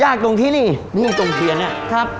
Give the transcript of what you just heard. ยากตรงที่นี่นี่ตรงเทียนเนี่ย